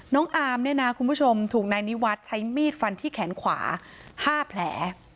อามเนี่ยนะคุณผู้ชมถูกนายนิวัฒน์ใช้มีดฟันที่แขนขวา๕แผล